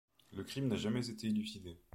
Le crime n'a jamais été élucidé.